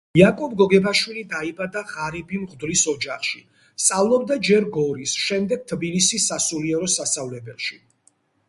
იაკობ გოგებაშვილი დაიბადა ღარიბი მღვდლის ოჯახში. სწავლობდა ჯერ გორის, შემდეგ თბილისის სასულიერო სასწავლებელში.